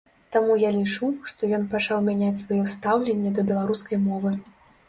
Таму я лічу, што ён пачаў мяняць сваё стаўленне да беларускай мовы.